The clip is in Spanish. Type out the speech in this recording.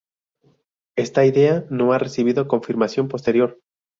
Esta idea no ha recibido confirmación posterior.